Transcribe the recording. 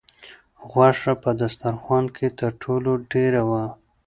غوښه په دسترخوان کې تر ټولو ډېره وه.